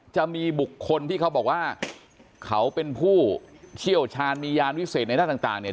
จะมีบุคคลที่เขาบอกว่าเขาเป็นผู้เชี่ยวชาญมียานวิเศษในด้านต่างเนี่ย